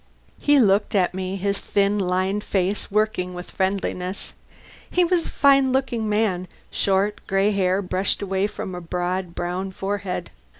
He looked at me, his thin, lined face working with friendliness. He was a fine looking man short, gray hair brushed away from a broad, brown forehead.